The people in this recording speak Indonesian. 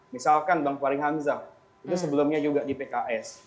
misalkan bang fari hamzah itu sebelumnya juga di pks